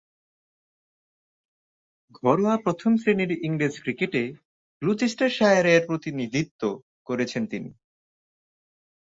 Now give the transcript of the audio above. ঘরোয়া প্রথম-শ্রেণীর ইংরেজ ক্রিকেটে গ্লুচেস্টারশায়ারের প্রতিনিধিত্ব করেছেন তিনি।